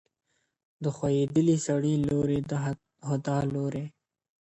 • د ښویېدلي سړي لوري د هُدا لوري_